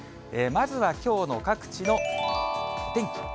まずはきょうの各地の天気。